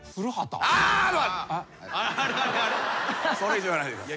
それ以上言わないでください。